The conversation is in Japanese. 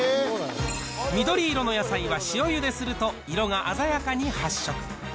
緑色の野菜は塩ゆですると色が鮮やかに発色。